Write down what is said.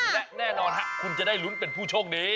และแน่นอนคุณจะได้ลุ้นเป็นผู้โชคดี